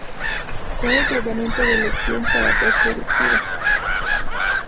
Son el tratamiento de elección para tos productiva.